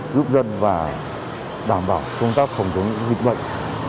giúp dân và đảm bảo công tác phòng chống dịch bệnh